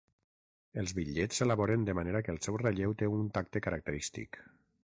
Els bitllets s'elaboren de manera que el seu relleu té un tacte característic.